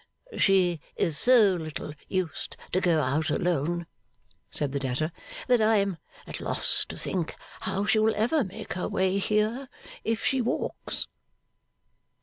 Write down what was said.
'She is so little used to go out alone,' said the debtor, 'that I am at a loss to think how she will ever make her way here, if she walks.